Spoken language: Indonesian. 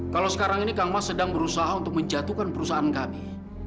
kalau sekarang ini kang mas sedang berusaha untuk menjatuhkan perusahaan kami